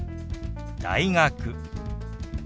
「大学」。